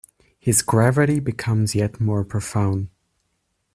His gravity becomes yet more profound.